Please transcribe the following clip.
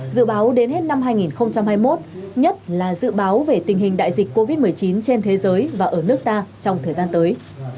dự báo đến hết năm hai nghìn hai mươi một nhất là dự báo về tình hình đại dịch covid một mươi chín trên thế giới và ở nước ta trong thời gian tới